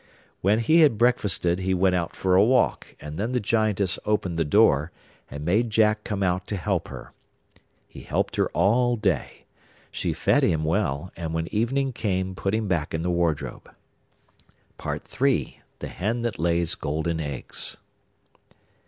When he had breakfasted he went out for a walk; and then the Giantess opened the door, and made Jack come out to help her. He helped her all day. She fed him well, and when evening came put him back in the wardrobe. THE HEN THAT LAYS GOLDEN EGGS.